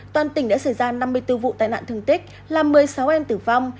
toàn tỉnh đã xảy ra năm mươi bốn vụ tai nạn thương tích làm một mươi sáu em tử vong